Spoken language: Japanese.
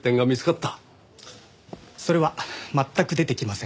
それは全く出てきません。